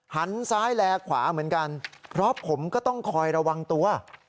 หันซ้ายแลขวาเหมือนกันเพราะผมก็ต้องคอยระวังตัว